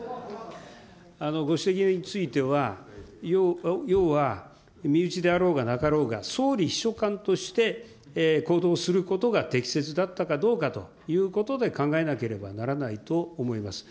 ご指摘については、要は身内であろうがなかろうが、総理秘書官として行動することが適切だったかどうかということで考えなければならないと思います。